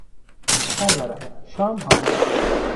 سرورم، شام حاضر است.